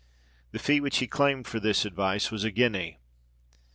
The fee which he claimed for this advice was a guinea.